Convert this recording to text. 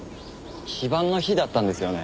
非番の日だったんですよね？